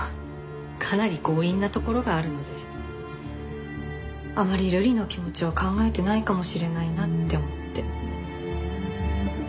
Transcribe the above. かなり強引なところがあるのであまりルリの気持ちを考えてないかもしれないなって思って。